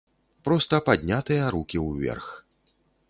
Проста паднятыя рукі ўверх.